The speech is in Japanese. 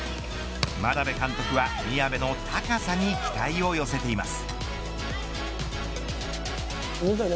眞鍋監督は宮部の高さに期待を寄せています。